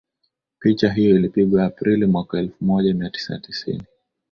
picha hiyo ilipigwa aprili mwaka elfu moja mia tisa tisini